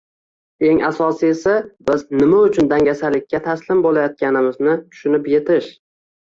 Eng asosiysi biz nima uchun dangasalikka taslim bo’layotganimizni tushunib yetish